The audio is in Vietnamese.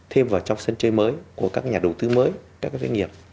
thêm vào trong sân chơi mới của các nhà đầu tư mới các doanh nghiệp